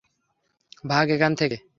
ভাগ এখান থেকে।